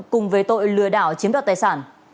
cùng với tội lừa đảo chiếm đoạt tài sản